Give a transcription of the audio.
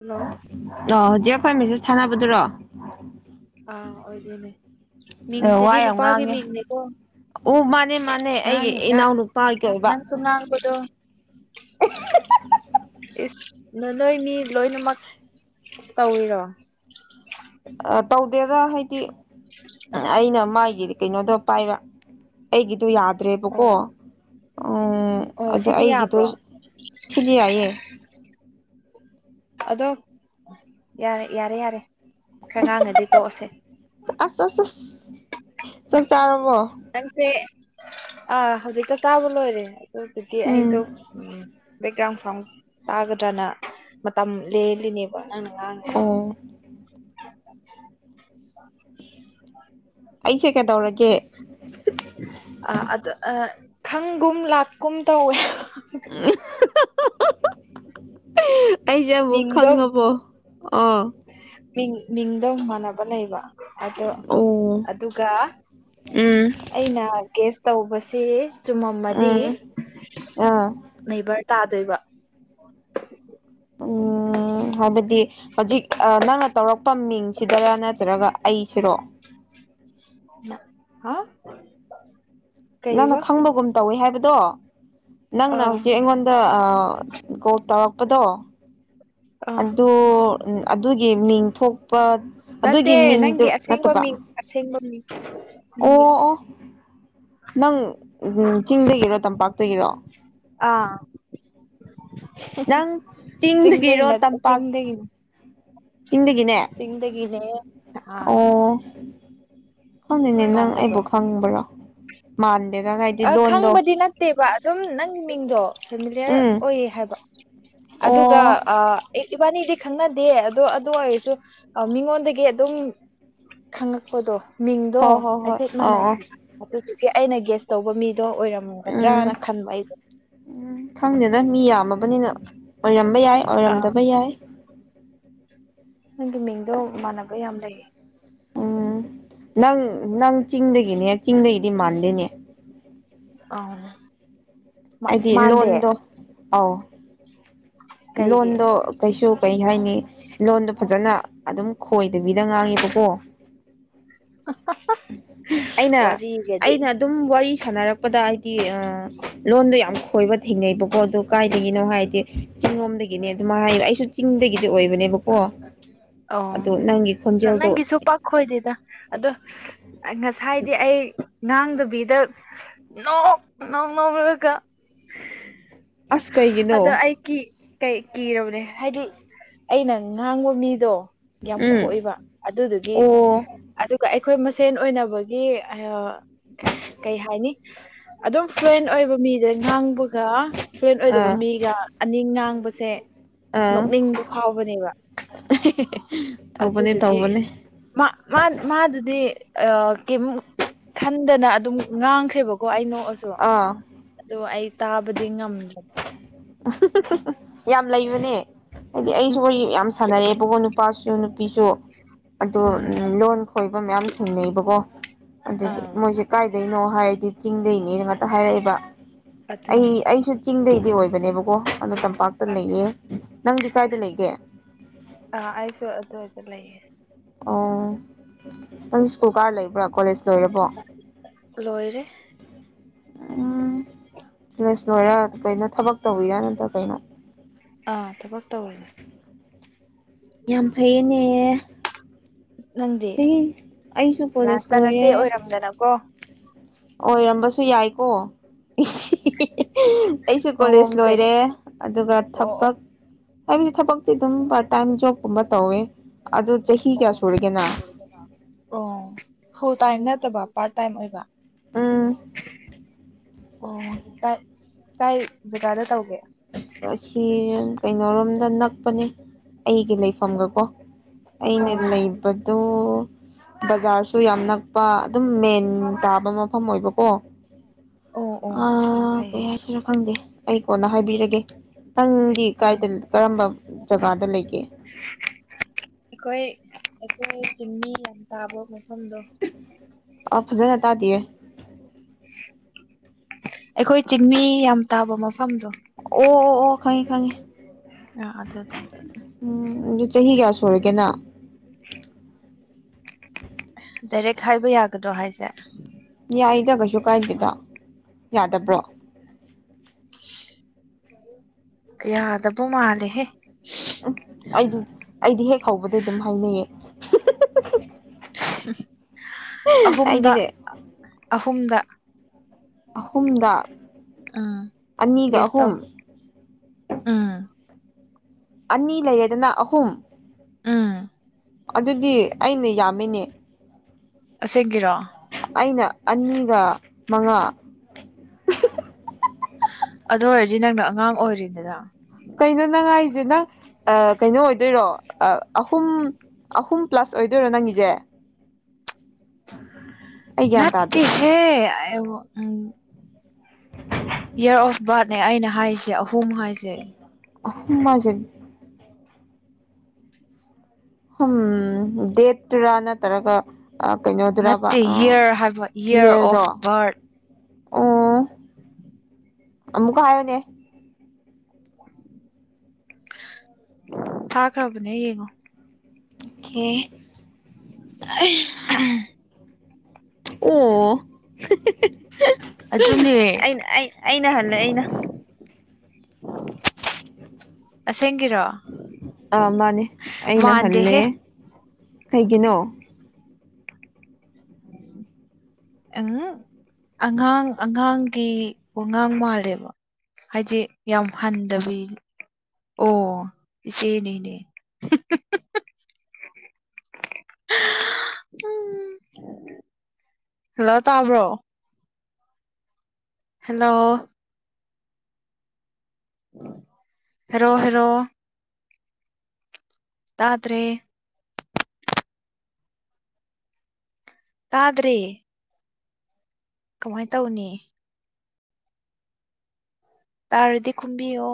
hello ꯑ ꯍꯧꯖꯤꯛ ꯑꯩꯈꯣꯏ ꯃꯦꯁꯦꯁ ꯊꯥꯅꯕꯗꯨꯔꯣ ꯑꯥ ꯑꯣꯏꯗꯣꯏꯅꯦ ꯑꯦ ꯋꯥ ꯃꯤꯡꯁꯤꯗꯤ ꯌꯥꯝ ꯅꯨꯄꯥꯒꯤ ꯉꯥꯡꯉꯦ ꯃꯤꯡꯅꯦꯀꯣ ꯑꯣ ꯃꯥꯅꯦ ꯃꯥꯅꯦ ꯑꯩꯒꯤ ꯅꯥꯡ ꯅ ꯏꯅꯥꯎꯅꯨꯄꯥꯒꯤ ꯑꯣꯏꯕ ꯅꯪ ꯁꯅꯕꯗꯣ [inaudible] [unintelligible] ꯏꯁ ꯅ ꯅꯣꯏ ꯃꯤ ꯂꯣꯏꯅꯃꯛ ꯇꯧꯔꯤꯔꯣ ꯑ ꯇꯧꯗꯦꯔ ꯍꯥꯏꯗꯤ ꯑꯩꯅ ꯃꯥꯒꯤ ꯀꯩꯅꯣꯗꯣ ꯄꯥꯏꯕ ꯑꯩꯒꯤꯗꯣ ꯌꯥꯗ꯭ꯔꯦꯕꯀꯣ ꯑꯣ ꯎ ꯑꯣ ꯑꯗ ꯁꯤꯗꯤ ꯑꯩꯒꯤꯗꯣ ꯌꯥꯕ꯭ꯔꯣ ꯊꯤꯗꯤ ꯌꯥꯌꯦꯦ ꯑꯗꯣ ꯌꯥꯔꯦ ꯌꯥꯔꯦ ꯌꯥꯔꯦ ꯈ ꯉꯥꯡꯉꯗꯤ ꯇꯣꯛꯑꯁꯦ ꯑꯁ ꯑꯁ ꯆ ꯅꯪꯁꯦ ꯑ ꯍꯧꯖꯤꯛꯇ ꯆꯥꯕ ꯂꯣꯏꯔꯦ ꯇ ꯎꯝ ꯑꯩꯣ ꯎꯦꯛꯒ꯭ꯔꯥꯎ ꯇꯥꯒꯗ꯭ꯔꯅ ꯃꯇꯝ ꯂꯦꯜꯂꯤꯅꯦꯕ ꯅꯪꯅ ꯉꯥꯡꯉꯦ ꯑꯣ ꯑꯩꯁꯦ ꯀꯩꯗꯧꯔꯒꯦ ꯑꯥ ꯑꯗꯨ ꯑꯥ ꯈꯪꯒꯨꯝ ꯂꯥꯛꯀꯨꯝ ꯇꯧꯋꯦ [unintelligible] [inaudible] ꯑꯩꯁꯦ ꯑꯃꯨꯛ ꯃꯤꯡꯗꯣ ꯈꯪꯉꯕꯣ ꯑꯥ ꯃꯤꯡꯗ ꯃꯥꯟꯅꯕ ꯂꯩꯕ ꯑꯗꯣ ꯑꯣ ꯑꯗꯨꯒ ꯎꯝ ꯑꯩꯅ ꯒꯦꯁ ꯇꯧꯕꯁꯦ ꯆꯨꯝꯃꯝꯃꯗꯤ ꯎꯝ ꯑꯥ ꯅꯦꯕꯔ ꯇꯥꯗꯣꯏꯕ ꯑ ꯎꯝ ꯍꯥꯏꯕꯗꯤ ꯍꯧꯖꯤꯛ ꯅꯪꯅ ꯇꯧꯔꯛꯄ ꯃꯤꯡꯁꯤꯗꯔꯥ ꯅꯠꯇ꯭ꯔꯒ ꯑꯩꯁꯤꯔꯣ ꯍꯥ ꯅꯪꯅ ꯀꯩꯕ ꯈꯪꯕꯒꯨꯝ ꯇꯧꯋꯦ ꯍꯥꯏꯕꯗꯣ ꯅꯪꯅ ꯑꯥ ꯍꯧꯖꯤꯛ ꯑꯩꯉꯣꯟꯗ ꯀꯣꯜ ꯇꯧꯔꯛꯄꯗꯣ ꯑꯥ ꯑꯗꯨ ꯑꯗꯨꯒꯤ ꯃꯤꯡꯊ ꯑꯗꯨꯒꯤ ꯅꯠꯇꯦ ꯃꯤꯡꯗꯨ ꯅꯠꯇꯕ ꯅꯪꯦ ꯑꯣ ꯑꯣ ꯅꯪ ꯆꯤꯡꯗꯒꯤꯔꯣ ꯇꯝꯄꯥꯛꯇꯒꯤꯔꯣ ꯑꯥ ꯅꯪ ꯆꯁꯤꯡꯗ ꯆꯤꯡꯗꯒꯤꯔꯣ ꯅ ꯇꯝꯄꯥꯛ ꯆꯁꯤꯡꯤꯡꯗꯗꯒꯤꯅ ꯆꯤꯡꯗꯒꯤꯅꯦ ꯁꯤꯁꯤꯡꯗꯒꯔ ꯑꯥ ꯈꯪꯅꯤꯅꯦ ꯅꯪ ꯃꯥꯟꯗꯕ꯭ꯔꯣ ꯑꯩꯕꯨ ꯈꯪꯕ꯭ꯔꯣ ꯍꯥꯏꯗꯤ ꯑ ꯂꯣꯟꯗꯣ ꯈꯪꯕꯗꯤ ꯅꯠꯇꯦꯕ ꯑꯗꯨꯝ ꯅꯪ ꯃꯤꯡꯗꯣ ꯐꯦꯃꯤꯂꯤꯌꯔ ꯎꯝ ꯑꯣꯏꯌꯦ ꯍꯥꯏꯕ ꯑꯗꯨꯒ ꯑꯣ ꯑ ꯏꯕꯥꯅꯤꯗꯤ ꯈꯪꯅꯗꯦ ꯑꯗꯣ ꯑꯗꯨ ꯑꯣꯏꯔꯁꯨ ꯃꯤꯉꯣꯟꯗꯒꯤ ꯑꯗꯨꯝ ꯈꯪꯉꯛꯄꯗꯣ ꯃꯤꯡꯗꯣ ꯍꯣꯏ ꯍꯣꯏ ꯍꯣꯏ ꯍꯥꯏꯐꯦꯠ ꯑꯥ ꯃꯥꯟꯅꯩ ꯑꯥ ꯑꯗꯨꯒꯤ ꯑꯩꯅ ꯒꯦꯁ ꯇꯧꯕ ꯃꯤ ꯗꯣ ꯑꯣꯏꯔꯝꯒꯗ꯭ꯔꯅ ꯎꯝ ꯈꯟꯕ ꯑꯩꯗꯣ ꯎꯝ ꯈꯪꯗꯦꯗ ꯃꯤ ꯌꯥꯝꯃꯕꯅꯤꯅ ꯑꯣꯏꯔꯝꯕ ꯌꯥꯏ ꯑꯥ ꯑꯣꯏꯔꯝꯗꯕ ꯌꯥꯏ ꯅꯪꯒꯤ ꯃꯤꯡꯗꯣ ꯃꯥꯟꯅꯕ ꯌꯥꯝ ꯂꯩꯌꯦ ꯎꯝ ꯅꯪ ꯅꯪ ꯆꯤꯡꯗꯒꯤꯅꯦ ꯆꯤꯡꯗꯒꯤꯗꯤ ꯃꯥꯜꯂꯤꯅꯦ ꯑ ꯍꯥꯏꯗꯤ ꯂꯣꯟꯗꯣ ꯑꯧ ꯀꯩꯒꯤ ꯂꯣꯟꯗꯣ ꯀꯩꯁꯨ ꯀꯩ ꯍꯥꯏꯅꯤ ꯂꯣꯟꯗꯣ ꯐꯖꯅ ꯑꯗꯨꯝ ꯈꯣꯏꯗꯕꯤꯗ ꯉꯥꯡꯉꯦꯕꯀꯣ ꯑꯩꯅ ꯋꯥꯔꯤꯒꯗꯤ ꯑꯩꯅ ꯑꯗꯨꯝ ꯋꯥꯔꯤ ꯁꯥꯟꯅꯔꯛꯄꯗ ꯍꯥꯏꯗꯤ ꯑ ꯂꯣꯟꯗꯣ ꯌꯥꯝ ꯈꯣꯏꯕ ꯊꯦꯡꯅꯩꯕꯀꯣ ꯑꯗꯨ ꯀꯥꯏꯗꯒꯤꯅꯣ ꯍꯥꯏꯗꯤ ꯆꯤꯡꯂꯣꯝꯗꯒꯤꯅꯦ ꯑꯗꯨꯝ ꯍꯥꯏ ꯑꯩꯁꯨ ꯆꯤꯡꯗꯒꯤꯗꯤ ꯑꯣꯏꯕꯅꯦꯕꯀꯣ ꯑꯣ ꯑꯗꯣ ꯅꯪꯒꯤ ꯈꯣꯟꯖꯦꯜꯗꯣ ꯅꯪꯒꯤꯁꯨ ꯄꯥꯛ ꯈꯣꯏꯗꯦꯗ ꯑꯗꯣ ꯉꯁꯥꯏꯗꯤ ꯑꯩ ꯉꯥꯡꯗꯕꯤꯗ ꯅꯣꯛ ꯅꯣꯛꯑꯒ ꯑꯁ ꯀꯩꯒꯤꯅꯣ ꯀꯩ ꯀꯤꯔꯕꯅꯦ ꯍꯥꯏꯗꯤ ꯑꯩꯅ ꯉꯥꯡꯕ ꯃꯤꯗꯣ ꯌꯥꯝ ꯎꯝ ꯈꯣꯏꯕ ꯑꯗꯨꯗꯨꯒꯤ ꯑꯣ ꯑꯗꯨꯒ ꯑꯩ ꯑꯩꯈꯣꯏ ꯃꯁꯦꯟ ꯑꯣꯏꯅꯕꯒꯤ ꯀꯩ ꯍꯥꯏꯅꯤ ꯑꯗꯨꯝ ꯐ꯭ꯔꯦꯟ ꯑꯣꯏꯕ ꯃꯤꯗ ꯉꯥꯡꯕ ꯒ ꯐ꯭ꯔꯦꯟ ꯑꯣꯏꯗꯕ ꯑꯥ ꯃꯤꯒ ꯑꯅꯤ ꯉꯥꯡꯕꯁꯦ ꯑꯥ ꯅꯣꯛꯅꯤꯡꯕ ꯐꯥꯎꯕꯅꯦꯕ ꯇꯧꯕꯅꯦ ꯑꯗꯨꯗꯨꯒꯤ ꯇꯧꯕꯅꯦ ꯃꯥ ꯃꯥꯗꯨꯗꯤ ꯑ ꯀꯩꯝ ꯈꯟꯗꯅ ꯑꯗꯨꯝ ꯉꯥꯡ ꯈꯔꯦꯕꯀꯣ ꯑꯩ ꯅꯣꯛꯑꯁꯨ ꯑꯥ ꯑꯗꯣ ꯑꯩ ꯇꯥꯕꯗꯤ ꯉꯝꯗ꯭ꯔꯦꯕ ꯌꯥꯝ ꯂꯩꯕꯅꯦ ꯍꯥꯏꯗꯤ ꯑꯩꯁꯨ ꯋꯥꯔꯤ ꯌꯥꯝ ꯁꯥꯟꯅꯔꯛꯑꯦꯕꯀꯣ ꯅꯨꯄꯥꯁꯨ ꯅꯨꯄꯤꯁꯨ ꯑꯗꯣ ꯎꯝ ꯂꯣꯟ ꯈꯣꯏꯕ ꯃꯌꯥꯝ ꯊꯦꯡꯅꯩꯕꯀꯣ ꯑꯗꯨꯗꯒꯤ ꯑꯥ ꯃꯣꯏꯁꯦ ꯀꯥꯏꯗ ꯀꯗꯩꯅꯣ ꯍꯥꯏꯔꯗꯤ ꯆꯤꯡꯗꯩꯅꯦꯅ ꯉꯥꯛꯇ ꯍꯥꯏꯔꯛꯑꯦꯕ ꯑꯗꯨꯅꯦ ꯑꯩ ꯑꯩꯁꯨ ꯆꯤꯡꯗꯩꯗꯤ ꯑꯣꯏꯕꯅꯦꯕꯀꯣ ꯑꯗꯣ ꯇꯝꯄꯥꯛꯇ ꯂꯩꯌꯦ ꯅꯪꯗꯤ ꯀꯥꯏꯗ ꯂꯩꯒꯦ ꯑ ꯑꯩꯁꯨ ꯑꯗꯋꯥꯏꯗ ꯂꯩꯌꯦ ꯑꯣ ꯅꯪꯁ ꯀꯨꯀꯥꯔ ꯂꯩꯕ꯭ꯔꯥ ꯀꯣꯂꯦꯖ ꯂꯣꯏꯔꯕꯣ ꯂꯣꯏꯔꯦ ꯎꯝ ꯀꯣꯂꯦꯖ ꯂꯣꯏꯔꯒ ꯀꯩꯅꯣ ꯊꯕꯛ ꯇꯧꯔꯤꯔ ꯅꯠꯇ꯭ꯔ ꯀꯩꯅꯣ ꯑꯥ ꯊꯕꯛ ꯇꯧꯔꯤꯅꯦ ꯌꯥꯝ ꯐꯩꯌꯦꯅꯦ ꯅꯪꯗꯤ ꯆꯍꯤ ꯑꯩꯁꯨ ꯀꯣꯂꯦꯖ ꯂꯥꯁꯇ ꯅꯆꯦ ꯂꯣꯏꯔꯦ ꯑꯣꯏꯔꯝꯗꯅꯀꯣ ꯑꯣꯏꯔꯝꯕꯁꯨ ꯌꯥꯏꯀꯣ ꯑꯩꯁꯨ ꯀꯣꯂꯦꯖ ꯃꯑꯣꯡꯁꯦ ꯂꯣꯏꯔꯦ ꯑꯗꯨꯒ ꯑꯣ ꯑꯣ ꯊꯕꯛ ꯍꯥꯏꯕꯗꯤ ꯊꯕꯛꯇꯤ ꯑꯗꯨꯝ ꯄꯥꯔꯠ ꯇꯥꯏꯝ ꯖꯣꯕꯀꯨꯝꯕ ꯇꯧꯋꯦ ꯑꯗꯣ ꯆꯍꯤ ꯀꯌꯥ ꯁꯨꯔꯒꯦ ꯅꯪ ꯑꯣ ꯐꯨꯜ ꯇꯥꯏꯝ ꯅꯠꯇꯕ ꯄꯥꯔꯠ ꯇꯥꯏꯝ ꯑꯣꯏꯕ ꯑꯥ ꯑꯣ ꯀꯥꯏ ꯀꯥꯏ ꯖꯒꯥꯗ ꯇꯧꯒꯦ ꯑꯁꯤ ꯀꯩꯅꯣꯔꯣꯝꯗ ꯅꯛꯄꯅꯦ ꯑꯩꯒꯤ ꯂꯩꯐꯝꯒꯀꯣ ꯑꯩꯅ ꯑꯣ ꯑꯣ ꯂꯩꯕꯗꯣ ꯕꯖꯥꯔꯁꯨ ꯌꯥꯝ ꯅꯛꯄ ꯑꯗꯨꯝ ꯃꯦꯟ ꯇꯥꯕ ꯃꯐꯝ ꯑꯣꯏꯕꯀꯣ ꯑꯣ ꯑꯣ ꯑ ꯌꯥꯝ ꯀꯩ ꯐꯩꯌꯦ ꯍꯥꯏꯁꯤꯔ ꯈꯪꯗꯦ ꯑꯩ ꯀꯣꯟꯅ ꯍꯥꯏꯕꯤꯔꯒꯦ ꯅꯪꯗꯤ ꯑꯪ ꯀꯥꯏꯗ ꯀꯔꯝꯕ ꯖꯒꯥꯗ ꯂꯩꯒꯦ ꯑꯩꯈꯣꯏ ꯑꯩꯈꯣꯏ ꯆꯤꯡꯃꯤ ꯌꯥꯝ ꯇꯥꯕ ꯃꯐꯝꯗꯣ ꯑ ꯐꯖꯅ ꯇꯥꯗꯤꯌꯦ ꯇꯥ ꯑꯩꯈꯣꯏ ꯆꯤꯡꯃꯤ ꯌꯥꯝ ꯇꯥꯕ ꯃꯐꯝꯗꯣ ꯑꯣ ꯑꯣ ꯑꯣ ꯈꯪꯉꯦ ꯈꯪꯉꯦ ꯑ ꯑꯗꯨꯗ ꯎꯝ ꯆꯍꯤ ꯀꯌꯥ ꯁꯨꯔꯒꯦꯅ ꯗꯥꯏꯔꯦꯛ ꯍꯥꯏꯕ ꯌꯥꯒꯗ꯭ꯔꯣ ꯍꯥꯏꯁꯦ ꯌꯥꯏꯗ ꯀꯩꯁꯨ ꯀꯥꯏꯗꯦꯗ ꯌꯥꯗꯕ꯭ꯔꯣ ꯌꯥꯗꯕꯣ ꯃꯥꯂꯦ ꯍꯦ ꯎꯝ ꯑꯩꯗꯤ ꯑꯩꯗꯤ ꯍꯦꯛ ꯍꯧꯕꯗꯩ ꯑꯗꯨꯝ ꯍꯥꯏꯅꯩꯌꯦ ꯑꯍꯨꯝꯗ ꯑꯩꯗꯤꯅꯦ ꯑꯍꯨꯝꯗ ꯑꯍꯨꯝꯗꯥ ꯎꯝ ꯒꯦꯁꯥꯎ ꯎꯝ ꯑꯅꯤ ꯂꯩꯌꯦꯗꯅ ꯑꯍꯨꯝ ꯑꯥ ꯑꯗꯨꯗꯤ ꯑꯩꯅ ꯌꯥꯝꯃꯤꯅꯦ ꯁꯦꯡꯒꯤꯔꯣ ꯑꯩꯅ ꯑꯅꯤꯒ ꯃꯉꯥ ꯑꯗꯨ ꯑꯣꯏꯔꯗꯤ ꯅꯪꯅ ꯑꯉꯥꯡ ꯑꯣꯏꯔꯤꯅꯤꯗ ꯀꯩꯅꯣꯅꯉꯥꯏꯁꯦ ꯅꯪ ꯑ ꯀꯩꯅꯣ ꯑꯣꯏꯗꯣꯏꯔꯣ ꯑꯍꯨꯝ ꯑꯍꯨꯝ ꯄ꯭ꯂꯁ ꯑꯣꯏꯗꯣꯏꯔꯣ ꯅꯪꯒꯤꯁꯦ [unintelligible] [unintelligible] ꯅꯠꯇ ꯇꯥꯗꯦ ꯍꯦ ꯎ ꯏꯔ ꯑꯣꯐ ꯔꯊ ꯑꯩꯅ ꯍꯥꯏꯔꯤꯁꯦ ꯑꯍꯨꯝ ꯍꯥꯏꯁꯦ ꯑ ꯃꯥꯖꯟ ꯎꯝ ꯗꯦꯠ ꯔꯅ ꯇꯔꯒ ꯑ ꯀꯩꯅꯣꯗ꯭ꯔꯕ ꯅꯠꯇꯦ ꯑ ꯌꯔ ꯍꯥꯏꯕ ꯌꯔ ꯏꯔꯗꯣ ꯑꯣꯐ ꯕꯥꯔꯠ ꯑꯣ ꯑꯃꯀꯌꯅꯦꯦ ꯎ ꯊꯥꯈ꯭ꯔꯕꯅꯦ ꯌꯦꯡꯉꯣ ꯀ ꯑ ꯑꯗꯨꯅꯦ ꯑꯩꯅ ꯑꯩ ꯑꯩꯅ ꯍꯜꯂꯦ ꯑꯩꯅ ꯎꯝ ꯑ ꯃꯥꯅꯦ ꯑꯩꯅ ꯍꯜꯂꯦ ꯃꯥꯟꯗꯦꯍꯦ ꯀꯩꯒꯤꯅꯣ ꯎ ꯑꯉꯥꯡ ꯑꯉꯥꯡꯒꯤ ꯋꯥꯉꯥꯡ ꯃꯥꯜꯂꯦꯕ ꯍꯥꯏꯁꯦ ꯌꯥꯝ ꯍꯟꯊꯕꯤ ꯑꯣꯆꯦꯅꯦꯅꯦ ꯎꯝ ꯍꯜꯂꯣ ꯇꯥꯕ꯭ꯔꯣ ꯍꯜꯂꯣ ꯔꯣ ꯔꯣ ꯇꯥꯗꯔꯦ ꯇꯥꯗꯔꯤ ꯀꯃꯥꯏꯅ ꯇꯧꯅꯤ ꯇꯥꯔꯗꯤ ꯈꯨꯝꯕꯤꯣ